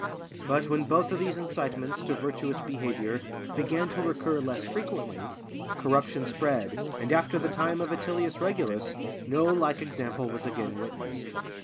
But when both of these incitements to virtuous behavior began to recur less frequently, corruption spread, and after the time of Atilius Regulus, no like example was again witnessed.